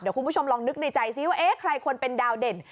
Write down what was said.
คุณผู้ชมลองนึกในใจซิว่าเอ๊ะใครควรเป็นดาวเด่น